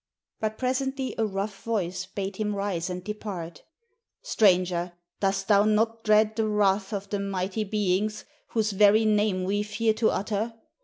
But presently a rough voice bade him rise and depart. "Stranger, dost thou not dread the wrath of the mighty beings whose very name we fear to utter?